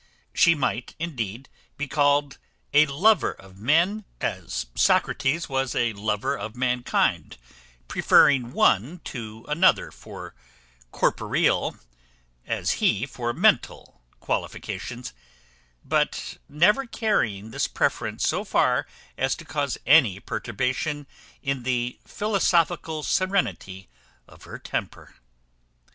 She might indeed be called a lover of men, as Socrates was a lover of mankind, preferring one to another for corporeal, as he for mental qualifications; but never carrying this preference so far as to cause any perturbation in the philosophical serenity of her temper.